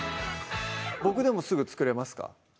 僕でもすぐ作れますか？